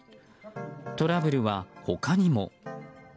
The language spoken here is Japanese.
トラブルは他にも。